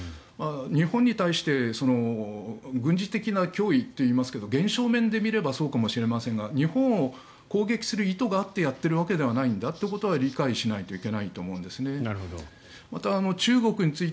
日本に対して軍事的な脅威といいますけど現象面で見ればそうかもしれませんが日本を攻撃する意図があってやっているわけじゃないんだということは理解しないといけないと思うんですね。